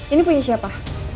ini punya siapa